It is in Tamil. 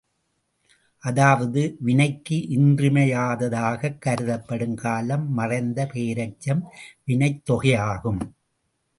அதாவது, வினைக்கு இன்றியமையாததாகக் கருதப்படும் காலம் மறைந்த பெயரெச்சம் வினைத் தொகையாகும்.